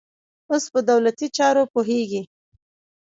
اوس په دولتي چارو پوهېږي.